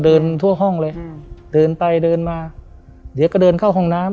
เดินทั่วห้องเลยอ่าเดินไปเดินมาเดี๋ยวก็เดินเข้าห้องน้ำ